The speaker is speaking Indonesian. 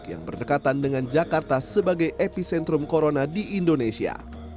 yang berdekatan dengan jakarta sebagai epicentrum corona di indonesia